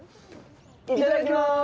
いただきます！